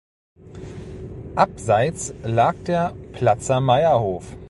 Abseits lag der Platzer Meierhof.